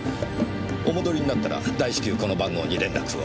お戻りになったら大至急この番号に連絡を。